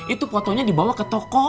itu fotonya dibawa ke toko